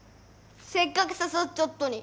せっかく誘っちょっとに。